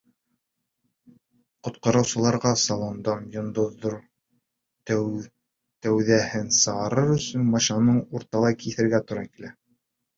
Ҡотҡарыусыларға салондан «йондоҙ»ҙоң кәүҙәһен сығарыр өсөн машинаны урталай киҫергә тура килә.